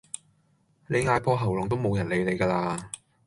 你嗌破喉嚨都無人理你咖啦